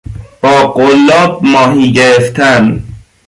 با قلاب ماهی گرفتن